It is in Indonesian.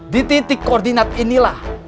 di titik koordinat inilah